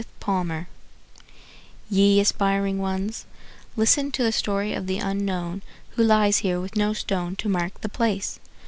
The Unknown Ye aspiring ones, listen to the story of the unknown Who lies here with no stone to mark the place.